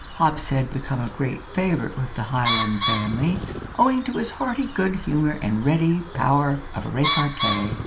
Hobbs had become a great favourite with the Highland family, owing to his hearty good humour and ready power of repartee.